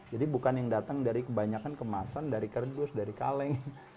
jadi bukan yang datang dari kebanyakan kemasan dari kerdus dari kaleng